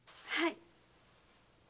はい。